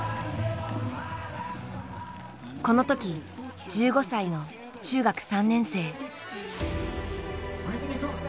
この時１５歳の中学３年生。